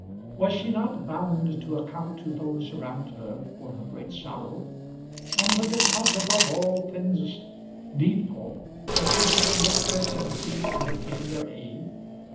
Was she not bound to account to those around her for her great sorrow? And was it not above all things needful that she should enlist their sympathy and obtain their aid?